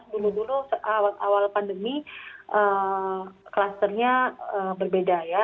dulu dulu awal pandemi klusternya berbeda ya